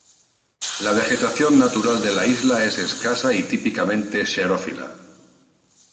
La vegetación natural de la Isla es escasa y típicamente xerófila.